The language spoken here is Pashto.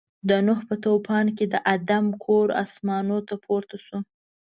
د نوح په طوفان کې د آدم کور اسمانو ته پورته شو.